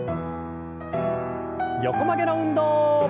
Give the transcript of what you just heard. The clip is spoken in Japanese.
横曲げの運動。